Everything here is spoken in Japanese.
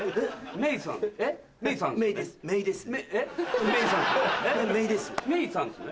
メイさんですよね？